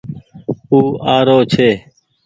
او آ رو ڇي